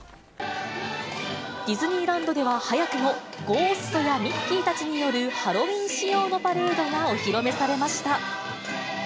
ディズニーランドでは早くもゴーストやミッキーたちによる、ハロウィーン仕様のパレードがお披露目されました。